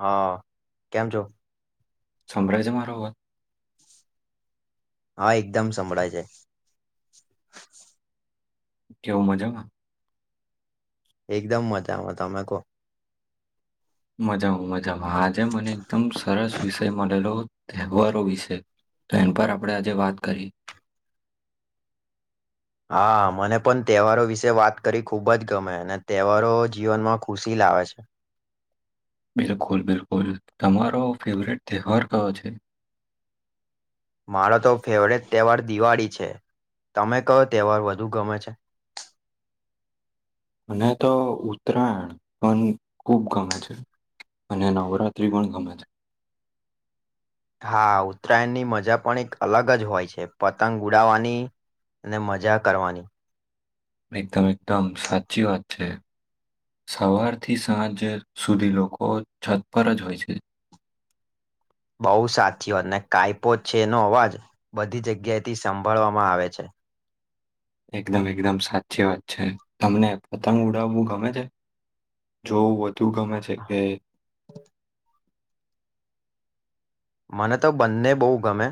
હા કેમ છો સમભ્રાજ મારો હા એકદમ સંભળાય છે [inaudible] કેવું મજામાં એકદમ મજામાં તમે કોહ મજામાં મજામાં આજે મને એકદમ સરસ વિષય મળેલો તહેવારો વિશે તો એમ પર આપણે આજે વાત કરી [inaudible] હા મને પણ તહેવારો વિશે વાત કરી ખુબ જ ગમે અને તહેવારો જીવનમાં ખુશી લાગે આવે છે બિલકુલ બિલકુલ તમારો ફેવરટ તહેવાર કયો છે મારો તો ફેવરેટ તહેવાર દિવાળી છે તમે કહ તહેવાર વધુ ગમે છે મને તો ઉત્તરાયણ પણ ખુબ ગમે છે અને નવરાત્ર્રી પણ ગમે છે હા ઉત્તરાયણની મજા પણ એક અલગ જ હોય છે પતંગ ઉડાવાની અને મજા કરવાની એકદમ એકદમ સાચચી વા છે સવારથી સાંજ સુધી લોકો છત પર જ હોય છે બહુ સાથીઓ અને કાયપો છેનો અવાજ બધી જગ્યાથી સાભળવામાં આવે છે એકદમ એકદમ સાચી વાત છે તમને પતંગ ઉડાવવું ગમે છે જોવું તું ગમે છે ગ મને તો બંને બહુ ગમે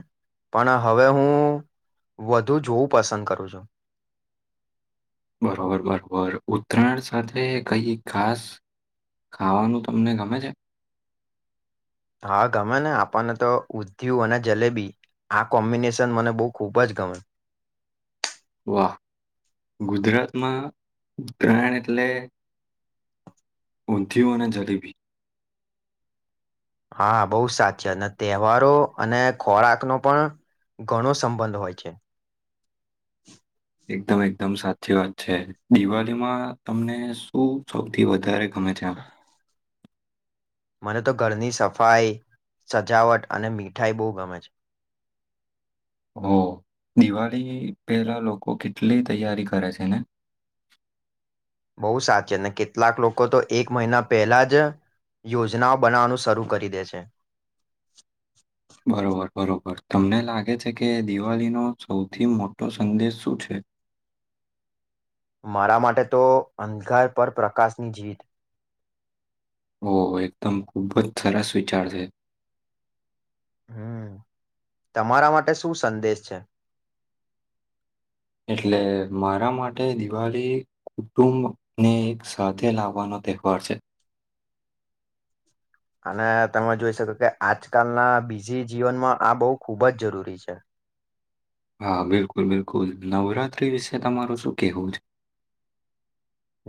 પણ હવે હું વધુ જોવું પસંદ કરું છું બરોબર બરોબર ઉત્તરાયણ સાથે કઈ ખાસ ખાવાનું તમને ગમે છે હા ગમે ને આપણને તો ઉધયુ અને જલેબી આ કોમ્બિનેશન મને બહુ ખૂબ જ ગમે વાહ! ગુજરાતમાં પ્રાણ એટલે ઊંંધયું અને જલી ભી હા બહુ સાચી અને તહેવારો અને ખોરાકનોો પણ ઘણો સંબંધ હોય છે [inaudible] એકદમ એકદમ સાચી વાત છે દિવાળીમાં તમને શું સૌથી વધારે હમે થા મને તો ઘરની સફાઈ સજાવટ અને મીઠાઈ બહુ ગમે છે [inaudible] હ દિવાળી પેલા લોકો કેટલી તૈયારી કરે છે ને [inaudible] બહુ સાચી અને કેટલાક લોકો તો એક મહિના પહેલા જ યોજનાઓ બનાવાનું શરૂ કરી દે છે. [unintelligible] બરોબર, બરોબર. તમને લાગે છે કે, દિવાલીનો સૌથી મોટો સંદેશ શું છે? [unintelligible] મારા માટે તો અંધકાર પર પ્રકાશની જીત. ઓ એકદમ ખૂબ જ સરસ વિચાર છે. હમ, તમારા માટે શું સંદેશ છે? એટલે મારા માટે દિવાલી કુટુંબ ને એક સાથે લાવવાનો દેખવાડ છે. અને તમે જોઈ શકો કે, આજકાલના બીજી જીવનમાં આ બહુ ખૂબ જ જરૂરી છે. હા, બિલકુલ બિલકુલ. નવરાત્રી વિશે તમારું શું કહેવું છે?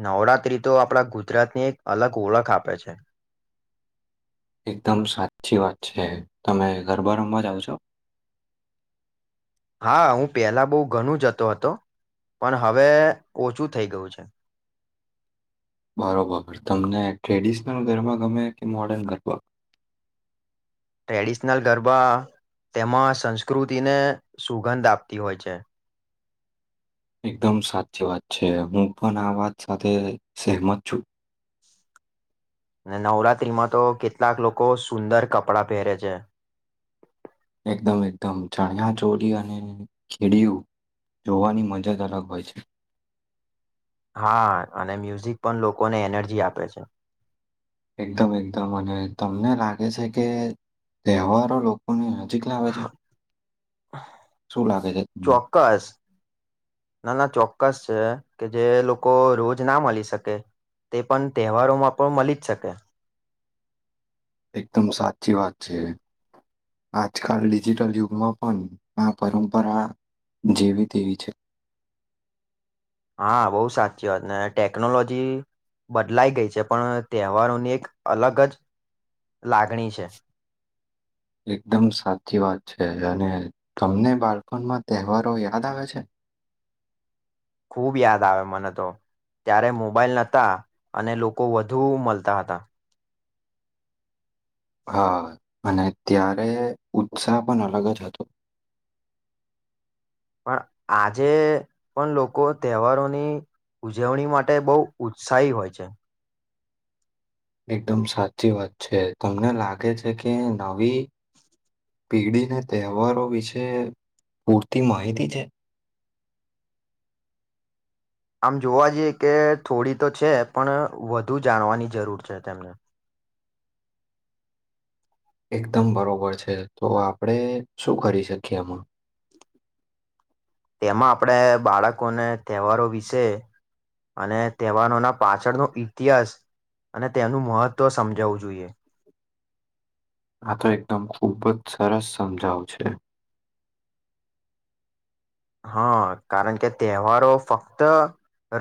નવરાત્રી તો આપડા ગુજરાતની એક અલગ ઓળખ આપે છે. એકદમ સાચી વાત છે. તમે ગરબા રમવા જાઓ છો? [unintelligible] હા, હું પહેલા બહુ ઘનું જતો હતો. પણ હવે ઓછું થઈ ગયું છે. [unintelligible] બરોબર. તમને ટ્રેડિશનલ ગરબા ગમે કે મોર્ડન ગરબા. [unintelligible] ટ્રેડિશનલ ગરબા તેમાં સંસ્કૃતિને સુગંધ આપતી હોય છે. એકદમ સાચી વાત છે. હું પન આ વાત સાથે સેહમત છું. અને નવરાતત્રીમાં તો કેટલાક લોકો સુંદર કપડાં પહેરે છે. એકદમ એકદમ ચણ્યા ચોરી અને કેડિયું. જોવાની મજ જ અલગ હોય છે. હા, અને મ્યુઝિક પન લોકોને એનર્જી આપે છે. એકદમ એકદમ અને તમને લાગે છે કે, તહેવારો લોકોની ચીકના આવે છે, શું લાગે છે તમને. ચોક્કસ ના ના ચોક્કસ છે કે, જે લોકો રોજ ના મલી શકે તે પન તહેવારોમાં પ મલી જ શકે. એકદમ સાચી વાત છે. આજકાલ ડિજિટલ યુગમાં પણ આ પરંપરા જેવી તેવી છે. હા, બઉુ સાચી વાત ને ટેકનોલોજી બદલાઈ ગઈ છે, પણ તહેવારોની એક અલગ જ લાગણી છે. એકદમ સાચી વાત છે, અને તમને બાળપણમાં તહેવારો યાદ આવે છે? ખૂબ યાદ આવે મને તો. ત્યારે મોબાઈલ નતા અને લોકો વધુ મલતા હતા. હા, અને ત્યારે ઉત્સાહ પન અલગ જ હતો. [unintelligible] પણ આજે પણ લોકો તહેવારોની ઉજવણી માટે બહુ ઉત્સાહી હોય છે. એકદમ સાચી વાત છે. તમને લાગે છે કે, નવી પેઢીને તહેવારો વિશે પૂરતી માહિતી છે? આમ જોવા જઈએ કે થોડી તો છે, પણ વધુ જાણવાની જરૂર છે તેમને. એકદમ બરોબર છે, તો આપણે શું કરી શકીએ એમાં. તેમાં આપડે બાળકોને તહેવારો વિશે અને તહેવારોના પાછળનો ઇતિહાસ અને તેનું મહત્ત્વ સમજાવવું જોઈએ. આ તો એકદમ ખૂબ જ સરસ સમજાવ છે હા કારણ કે તહેવારો ફક્ત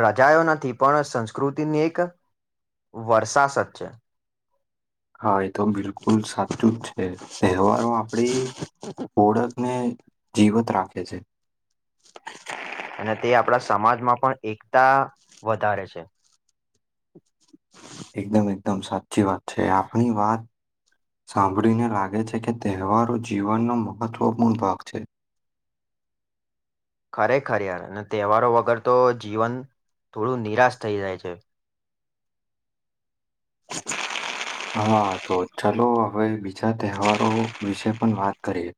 રજયો નથી પણ સંસ્કૃતિની એક વર્ષાસત છે હા તો બિલકુલ સાચું જ છે તહેવારો આપડી ઓળખને જીવત રાખે છે અને તે આપણા સમાજમાં પણ એકતા વધારે છે [unintelligible] એકદમ એકદમ સાચી વાત છે આપ ની વાત સાંભળીને લાગે છે કે તહેવારો જીવનનો મહત્વપૂર્ણ ભાગ છે [unintelligible] ખરેખર યાર અને તહેવારો વગર તો જીવન થોડું નિરાશ થઈ જાય છે હા તો ચલો હવે બીજા તહેવારો વિશે પણ વાત કરીએ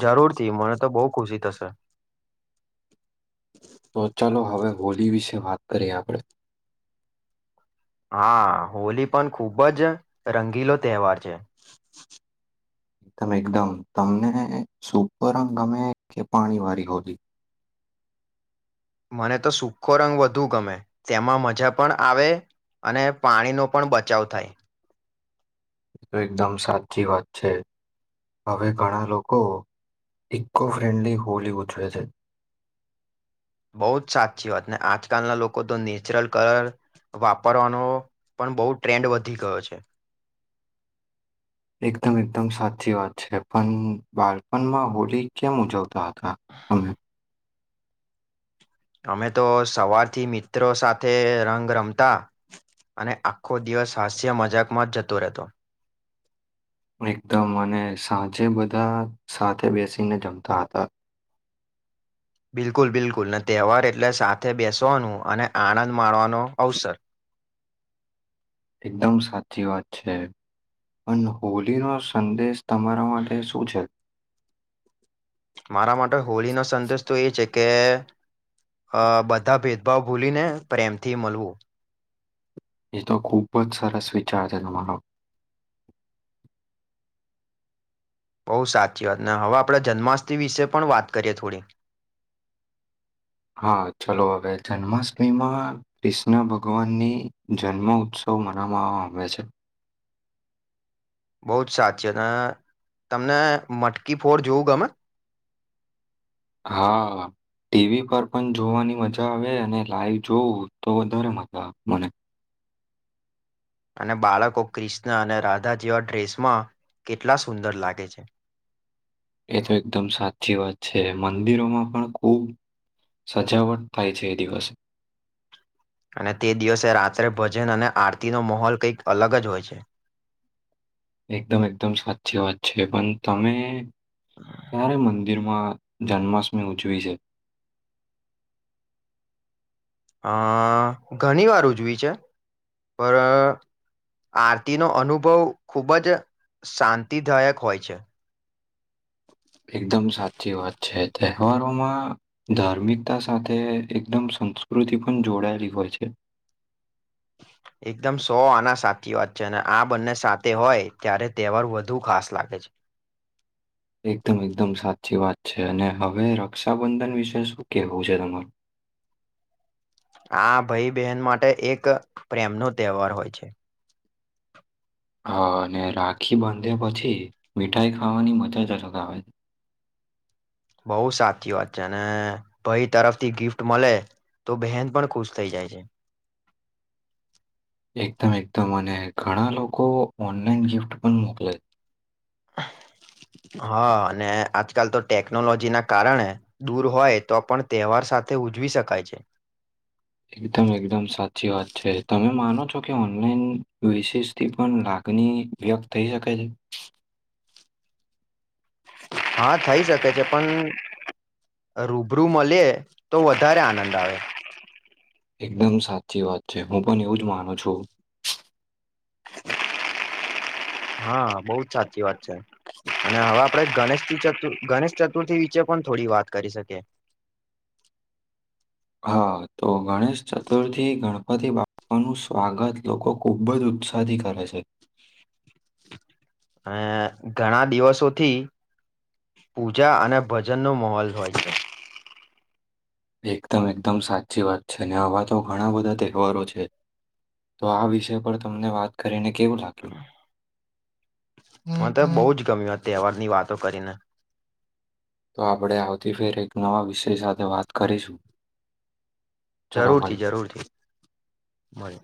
જરૂરથી મને તો બહુ ખુશી થશે તો ચાલો હવે હોલી વિશે વાત કરી આપણે હા હોલી પણ ખૂબ જ રંગીલો તહેવાર છે એકદમ એકદમ તમને સૂકો રંગ ગમે કે પાણી વાળી હોળી મને તો સુૂખો રંગ વધુ ગમે તેમાં મજા પણ આવે અને પાણીનો પણ બચાવ થાય એકદમ સાથીી વાત છે હવે ઘણા લોકો ઇકો ફ્રેન્ડલી હોલી ઉજવે છે બહુ જ સાચી વાત ને આજકાલના લોકો તો નેચરલ કલર વાપરવાનો પણ બહુ ટ્રેન્ડ વધી ગયો છે [inaudible] એકદમ એકદમ સાચી વાત છે પણ બાળપણમાં હોળ કેમ ઉજવતા હતા કા અમને અમે તો સવારથી મિત્રો સાથે રંગ રમતા અને આખો દિવસ હાસ્ય મજાકમાં જ જતો રહેતો [inaudible] એકદમ અને સાંજે બધા સાથે બેસીને જમતા હતા બિલકુલ બિલકુલ તહેવાર એટલે સાથે બેસવાનું અને આનંદ માણવાનો અવસર એકદમ સાચી વાત છે પણ હોલીનો સંદેશ તમારા માટે શું છે મારા માટે હોળીનોો સંદેશ તો એ છે કે અ બધા ભેદભાવ ભૂલીને પ્રેમથી મળવું એ તો ખૂબ જ સરસ વિચાર છે તમારો બહુ સાચી વાત ને હવે આપણે જન્માષ્ટમ વિશે પણ વાત કરીએ થોડી [inaudible] હા ચલો હવે જન્માષ્ટમીમાં કૃષ્ણ ભગવાનની જન્મ ઉત્સવ બ મરામાં આવે છે બહુ જ સાચી અને તમને મટકી ફોર જોવું ગમે હા ટીવી પર પણ જોવાની મજા આવે અને લાઈવ જોવું તો વધારે મજા આવે મને અને બાળકો ક્રિષ્ણ અને રાધા જેવા ડ્રેસમાં કેટલા સુંદર લાગે છે એ તો એકદમ સાચી વાત છે મંદિરોમાં પણ ખુબ સજાવટ થાય છે એ દિવસે અને તે દિવસે રાત્રે ભજન અને આરતીનો માહોલ કંઈક અલગ જ હોય છે [inaudible] એકદમ એકદમ સાચી વાત છે પણ તમે ક્યારે મંદિર મંદિરમાં જન્માષ્ટમી ઉજવી છે અ ઘણી વાર ઉજવી છે, પર આરતીનો અનુભવ ખૂબ જ શાંતિદાયક હોય છે, [inaudible] એકદમ સાચી વાત છે, તહેવારોમાં ધાર્મિકતા સાથે એકદમ સંસ્કૃતિ પણ જોડાયેલી હોય છે. એકદમ સો આના સાચી વાત છે, અને આ બંને સાથે હોય ત્યારે તહેવાર વધુ ખાસ લાગે છે. એકદમ એકદમ સાચી વાત છે, અને હવે રક્ષાબંધન વિશે શું કેહેવું છે તમારું? આ ભાઈ બહેન માટે એક પ્રેમનો તહેવાર હોય છે. હા, અને રાખી બાંધે પછી મીઠાઈ ખાવાની મજા જ અલગ આવે. [inaudible] બઉ સાચી વાત છે, અને ભાઈ તરફથી ગિફ્ટ મળે તો બહેન પણ ખુશ થઈ જાય છે. [inaudible] એકદમ એકદમ અને ઘણા લોકો ઓનલાઈન ગિફ્ટ પણ મોકલે [inaudible] હા અને આજકાલ તો ટેકનોલોજી ના કારણે દૂર હોય તો પણ તહેવાર સાથે ઉજવી શકાય છે. એકદમ એકદમ સાચી વાત છે, તમે માનો છો? કે ઓનલાઈન વિશેષથી પણ લાગણી વ્યક્ત થઈ શકે છે? હા, થઈ શકે છે પણ રૂબરૂ મળે તો વધારે આનંદ આવે એકદમ સાચી વાત છે, હું પણ એવું જ માનું છું. હા બહુ જ સાચી વાત છે, અને હવે આપડે ગણેશથી ગણેશ ચતુર્થી વિષે પણ થોડી વાત કરી શકે [inaudible] હા, તો ગણેશ ચતુર્થી ગણપતિ બાપાનું સ્વાગત લોકો ખુબ જ ઉત્સાહથી કરે છે. અ ઘણા દિવસોથી પૂજા અને ભજનનો માહોલ હોય છે, એકદમ એકદમ સાચી વાત છે, ને આવા તો ઘણા બધા તહેવારો છે. તો આ વિષય પર તમને વાત કરીને કેવું લાગ્યું? મતો તો બહુ જ ગમ્યું તહેવાર ની વાતો કરીને તો આપણે આવતી ફેર એક નવા વિષય સાથે વાત કરીશું. ચલો જરૂરથી મળીએ. જરૂરથી હોય